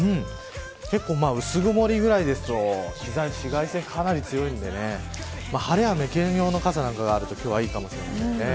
薄曇りぐらいですと紫外線かなり強いので晴れ雨兼用の傘があるといいかもしれません。